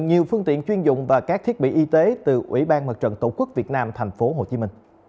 nhiều phương tiện chuyên dụng và các thiết bị y tế từ ủy ban mặt trận tổ quốc việt nam tp hcm